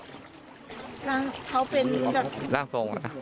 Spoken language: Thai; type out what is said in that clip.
เขาเป็นแบบร่างทรงเหรอ